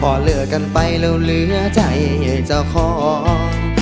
พอเลิกกันไปแล้วเหลือใจเจ้าของ